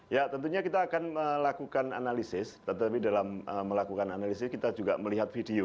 ya tentunya kita akan melakukan analisis tetapi dalam melakukan analisis kita juga melihat video